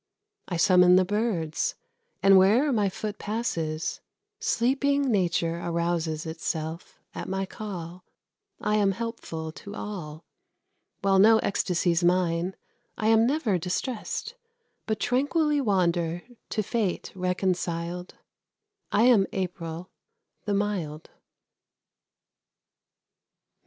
I summon the birds, and where'er my foot passes, Sleeping Nature arouses itself at my call. I am helpful to all. While no ecstacy's mine, I am never distressed, But tranquilly wander, to fate reconciled. I am April, the mild.